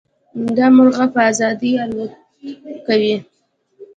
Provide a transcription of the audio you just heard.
دا مرغه په ازادۍ الوت کوي.